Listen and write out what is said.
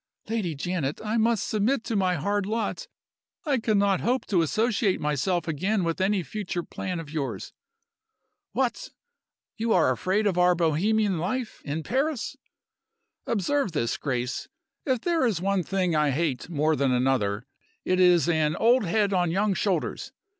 "Lady Janet, I must submit to my hard lot. I cannot hope to associate myself again with any future plans of yours " "What! you are afraid of our 'Bohemian life' in Paris? Observe this, Grace! If there is one thing I hate more than another, it is 'an old head on young shoulders.